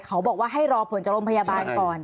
เขาบอกว่าให้รอผลจากโรงพยาบาลก่อน